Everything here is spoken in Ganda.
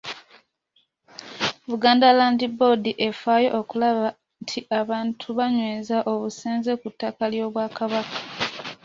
Buganda Land Board efaayo okulaba nti abantu banyweza obusenze ku ttaka ly’Obwakabaka.